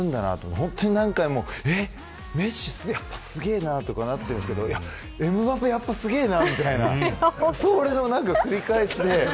本当に何回もメッシ、やっぱすげえなとかなってるんですけどいや、やっぱエムバペすげえなみたいなそれの繰り返しで。